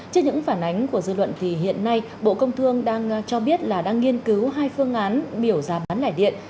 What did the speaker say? trước những phản ánh của dư luận thì hiện nay bộ công thương đang cho biết là đang nghiên cứu hai phương án biểu giá bán lẻ điện